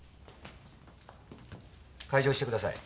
開錠してください。